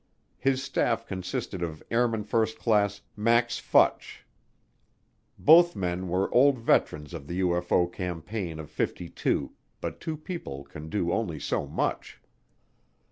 His staff consisted of Airman First Class Max Futch. Both men were old veterans of the UFO campaign of '52, but two people can do only so much.